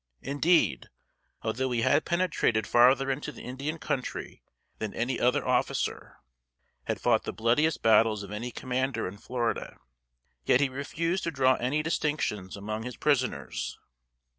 Indeed, although he had penetrated farther into the Indian Country than any other officer had fought the bloodiest battles of any commander in Florida, yet he refused to draw any distinctions among his prisoners.